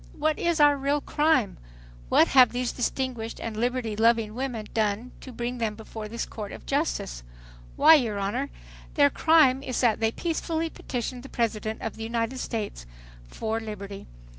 "What is our real crime? What have these distinguished and liberty loving women done to bring them before this court of justice? Why, your Honor, their crime is that they peacefully petitioned the President of the United States for liberty.